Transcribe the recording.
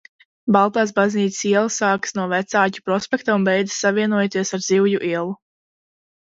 Baltāsbaznīcas iela sākas no Vecāķu prospekta un beidzas savienojoties ar Zivju ielu.